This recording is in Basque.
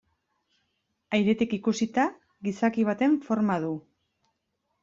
Airetik ikusita gizaki baten forma du.